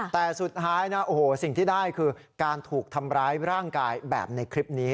แต่สุดท้ายนะโอ้โหสิ่งที่ได้คือการถูกทำร้ายร่างกายแบบในคลิปนี้